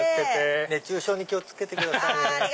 熱中症に気を付けてくださいね。